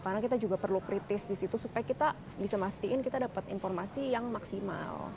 karena kita juga perlu kritis disitu supaya kita bisa mastiin kita dapat informasi yang maksimal